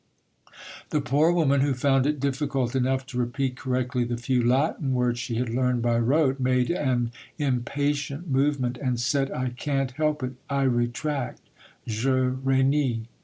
The poor woman, who found it difficult enough to repeat correctly the few Latin words she had learned by rote, made an impatient movement, and said— "I can't help it; I retract" (Je renie).